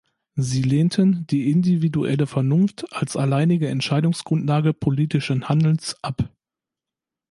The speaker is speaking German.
Sie lehnten die individuelle Vernunft als alleinige Entscheidungsgrundlage politischen Handels ab.